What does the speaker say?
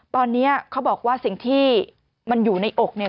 ตอนนี้เขาบอกว่าสิ่งที่มันอยู่ในอกเนี่ย